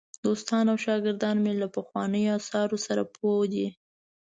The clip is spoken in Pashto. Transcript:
دوستان او شاګردان مې له پخوانیو آثارو سره پوه دي.